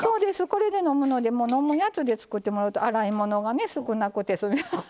これで飲むので飲むやつで作ってもらうと洗い物がね少なくてすみまははははっ。